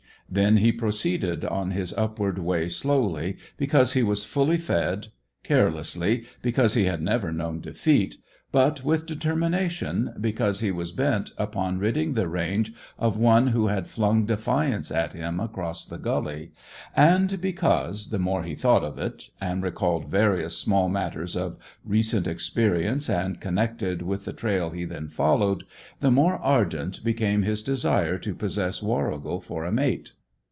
Then he proceeded on his upward way slowly, because he was fully fed, carelessly, because he had never known defeat, but with determination, because he was bent upon ridding the range of one who had flung defiance at him across the gully, and because, the more he thought of it, and recalled various small matters of recent experience and connected with the trail he then followed, the more ardent became his desire to possess Warrigal for a mate.